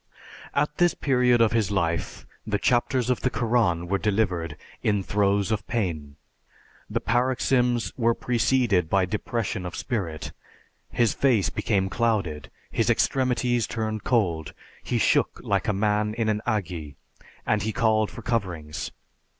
At this period of his life the chapters of the Koran were delivered in throes of pain. The paroxysms were preceded by depression of spirit, his face became clouded, his extremities turned cold, he shook like a man in an ague, and he called for coverings.